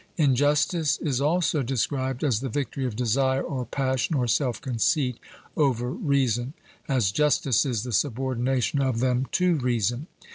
Injustice is also described as the victory of desire or passion or self conceit over reason, as justice is the subordination of them to reason.